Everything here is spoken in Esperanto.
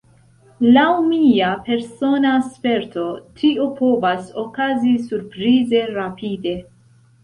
Laŭ mia persona sperto, tio povas okazi surprize rapide.